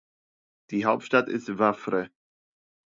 Die Hauptstadt ist Wavre.